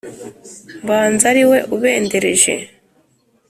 mbanza ari we ubendereje